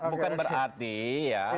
bukan berarti ya